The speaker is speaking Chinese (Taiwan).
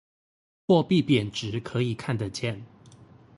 貨幣貶值可以看得見